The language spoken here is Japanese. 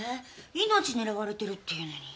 命狙われてるっていうのに。